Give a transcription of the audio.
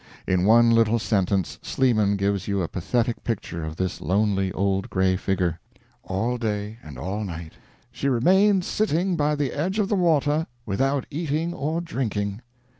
In one little sentence Sleeman gives you a pathetic picture of this lonely old gray figure: all day and all night "she remained sitting by the edge of the water without eating or drinking."